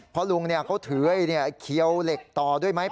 เพราะลุงเขาถือเคี้ยวเหล็กต่อด้วยไหม